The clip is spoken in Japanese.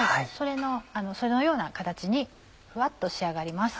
そのような形にふわっと仕上がります。